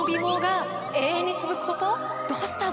どうした？